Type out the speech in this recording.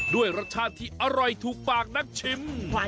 ด้วยรสชาติที่อร่อยถูกปากนักชิม